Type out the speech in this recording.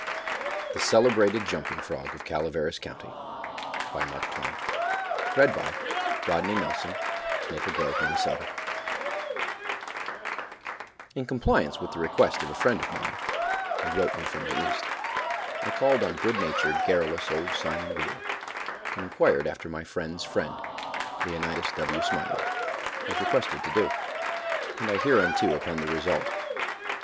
THE CELEBRATED JUMPING FROG OF CALAVERAS COUNTY By Mark Twain (1835–1910) In compliance with the request of a friend of mine, who wrote me from the East, I called on good natured, garrulous old Simon Wheeler, and inquired after my friend's friend, Leonidas W. Smiley, as requested to do, and I hereunto append the result.